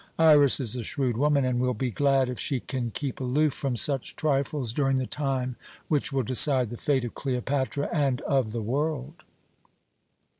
Iras is a shrewd woman, and will be glad if she can keep aloof from such trifles during the time which will decide the fate of Cleopatra and of the world."